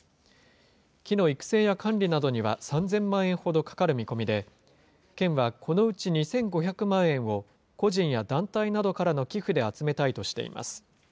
木の育成や管理などには３０００万円ほどかかる見込みで、県はこのうち２５００万円を、個人や団体などからの寄付で集めたいとしています。